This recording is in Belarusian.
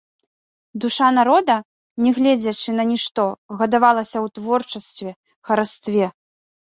Душа народа, нягледзячы на нішто, гадавалася ў творчасці, харастве.